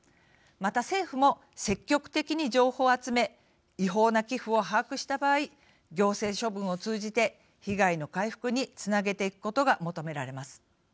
また、政府も積極的に情報を集め違法な寄付を把握した場合行政処分を通じて被害の回復につなげていくことが求められます。